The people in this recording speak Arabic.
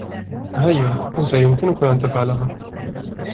هيا. أنتَ يمكنكَ أن تفعلها.